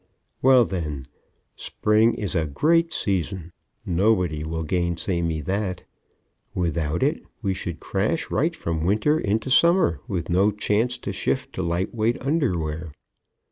Well then, Spring is a great season. Nobody will gainsay me that. Without it, we should crash right from Winter into Summer with no chance to shift to light weight underwear.